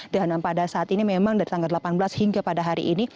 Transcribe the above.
pada saat ini memang dari tanggal delapan belas hingga pada hari ini